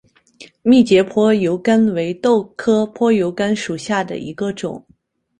密节坡油甘为豆科坡油甘属下的一个种。